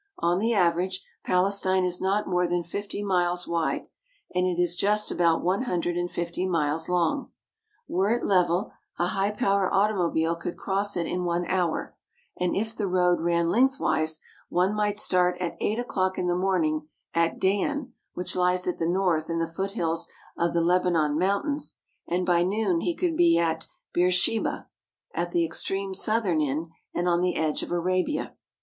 On the average, Palestine is not more than fifty miles wide, and it is just about one hundred and fifty miles long. Were it level, a high power automobile could cross it in one hour, and if the road ran lengthwise, one might start at eight o'clock in the morning at Dan, which lies at the north in the foothills of the Lebanon Mountains, and by noon he could be at Beersheba (be er she'ba), at the extreme southern end and on the edge of Arabia.